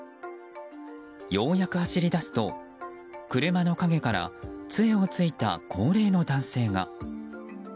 ようやく走り出すと車の陰から杖を突いた高齢の男性が。